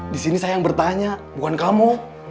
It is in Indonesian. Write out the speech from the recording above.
di sini saya yang bertanya bukan kamu